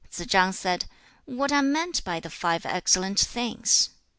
Tsze chang said, 'What are meant by the five excellent things?'